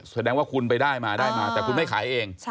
แสดงว่าคุณไปได้มาได้มาแต่คุณไม่ขายเอง